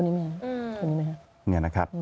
นี่นะครับ